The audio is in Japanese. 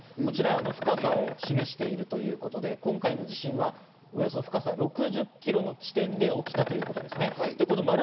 こちら深さを示しているということで、今回の地震はおよそ深さ６０キロの地点で起きたということです。